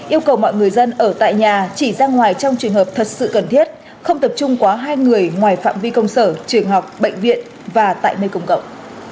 yêu cầu mọi người dân ở tại nhà chỉ ra ngoài trong trường hợp thật sự cần thiết không tập trung quá hai người ngoài phạm vi công sở trường học bệnh viện và tại nơi công cộng